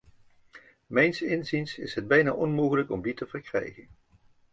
Mijns inziens is het bijna onmogelijk om die te verkrijgen.